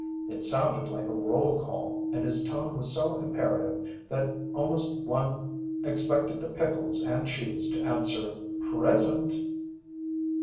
It sounded like a roll call, and his tone was so imperative that almost one expected the pickles and cheese to answer "present."